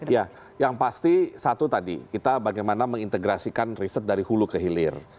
ya yang pasti satu tadi kita bagaimana mengintegrasikan riset dari hulu ke hilir